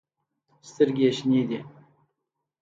سترګې ېې شنې دي